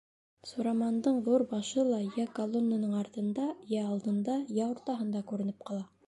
Сурамандың ҙур башы ла йә колоннаның артында, йә алдында, йә уртаһында күренеп ҡала.